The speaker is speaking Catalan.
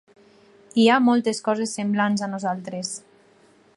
Hi ha moltes coses semblants a nosaltres.